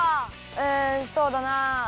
うんそうだな。